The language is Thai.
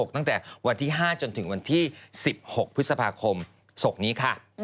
ตั้งแต่วันที่๕จนถึงวันที่๑๖พฤษภาคมศกนี้ค่ะ